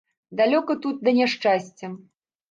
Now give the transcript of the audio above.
Далёка тут да няшчасця.